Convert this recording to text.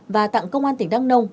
và tặng công an tỉnh đăng nông